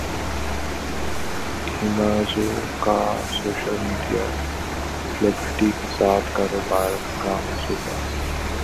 Amazon کا social media celebrity کے ساتھ کاروبار کا منصوبہ